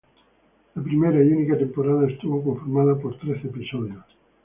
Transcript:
La primera y única temporada estuvo conformada por trece episodios.